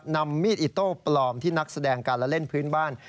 นำมีดอิโต้ปลอมที่นักแสดงการละเล่นพื้นบ้าน